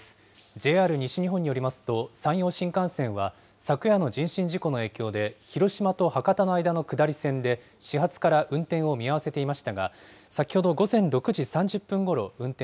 ＪＲ西日本によりますと、山陽新幹線は昨夜の人身事故の影響で、広島と博多の間の下り線で、始発から運転を見合わせていましたが、先ほど午前６時３０分ごろ、運転